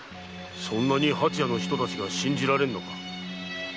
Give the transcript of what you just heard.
そんなに蜂屋の人たちが信じられぬのか？